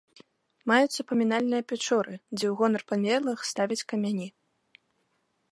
Маюцца памінальныя пячоры, дзе ў гонар памерлых ставяць камяні.